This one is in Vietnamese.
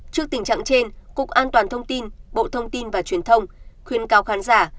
trước tình trạng trên cục an toàn thông tin bộ thông tin và truyền thông khuyên cao khán giả